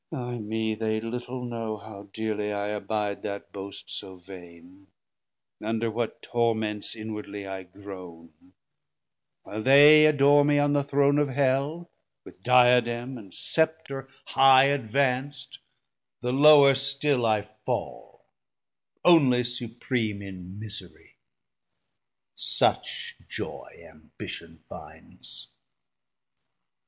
Ay me, they little know How dearly I abide that boast so vaine, Under what torments inwardly I groane; While they adore me on the Throne of Hell, With Diadem and Scepter high advanc'd 90 The lower still I fall, onely Supream In miserie; such joy Ambition findes.